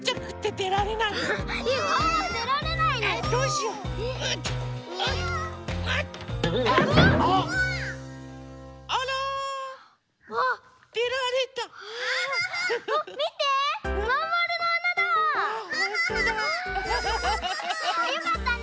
よかったね。